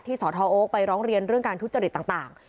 สทโอ๊คไปร้องเรียนเรื่องการทุจริตต่าง